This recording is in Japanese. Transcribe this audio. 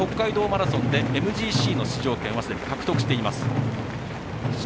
北海道マラソンでＭＧＣの出場権はすでに獲得しています。